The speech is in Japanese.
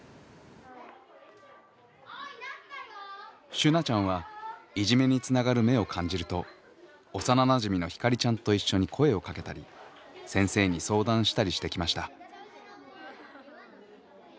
しゅなちゃんはいじめにつながる芽を感じると幼なじみのひかりちゃんと一緒に声をかけたり先生に相談したりしてきました。